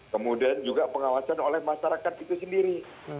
kemudian juga pengawasan oleh masyarakat itu sendiri